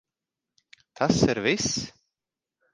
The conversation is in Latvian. Tas ir viss?